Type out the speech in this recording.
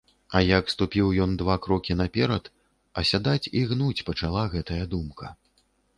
А як ступіў ён два крокі наперад, асядаць і гінуць пачала гэтая думка.